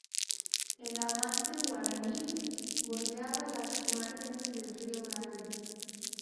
El avance guaraní bordeaba las márgenes del río Grande.